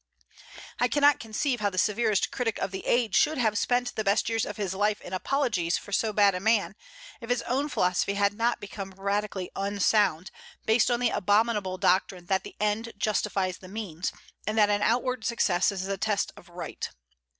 I cannot conceive how the severest critic of the age should have spent the best years of his life in apologies for so bad a man, if his own philosophy had not become radically unsound, based on the abominable doctrine that the end justifies the means, and that an outward success is the test of right.